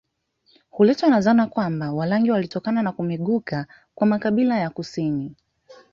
Huletwa na dhana kwamba Warangi walitokana na kumeguka kwa makabila ya kusini